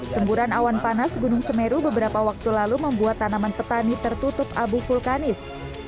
semburan awan panas gunung semeru beberapa waktu lalu membuat tanaman petani tertutup abu vulkanis